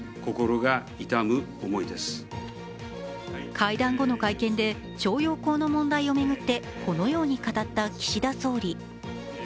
会談後の会見で、徴用工問題を巡ってこのように語った岸田総理。